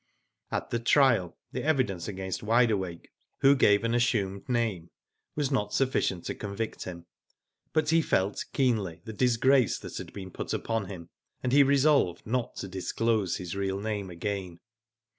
At the trial the evidence against Wide Awake, who gave an assumed name, was not sufficient to convict him, but he felt keenly the disgrace that had been put upon him, and he resolved not to disclose his real name again.